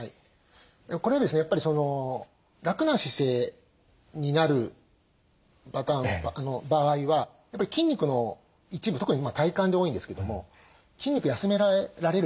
これはですねやっぱり楽な姿勢になる場合は筋肉の一部特に体幹で多いんですけども筋肉休められるわけですね。